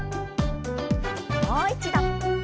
もう一度。